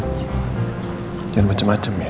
orang semuanya ajar kok ya